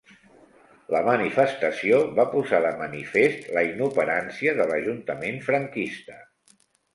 La manifestació va posar de manifest la inoperància de l'Ajuntament franquista.